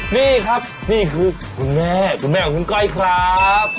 นี่ครับนี่คือคุณแม่คุณแม่ของคุณก้อยครับ